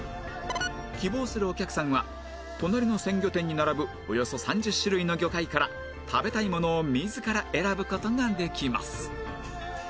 希望するお客さんは隣の鮮魚店に並ぶおよそ３０種類の魚介から食べたいものを自ら選ぶ事ができます